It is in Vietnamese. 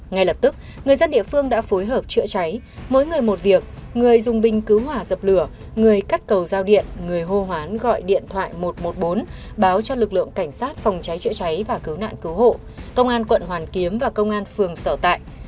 ngay lập tức người dân địa phương đã phối hợp chữa cháy mỗi người một việc người dùng bình cứu hỏa dập lửa người cắt cầu giao điện người hô hoán gọi điện thoại một trăm một mươi bốn báo cho lực lượng cảnh sát phòng cháy chữa cháy và cứu nạn cứu hộ công an quận hoàn kiếm và công an phường sở tại